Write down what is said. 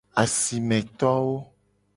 Asimetowo.